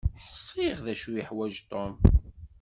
Ḥṣiɣ d acu yeḥwaǧ Tom.